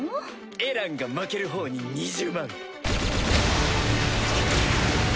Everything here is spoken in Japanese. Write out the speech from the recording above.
エランが負ける方に２０万。